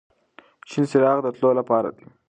شین څراغ د تلو لپاره دی.